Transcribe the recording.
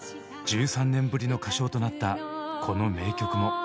１３年ぶりの歌唱となったこの名曲も。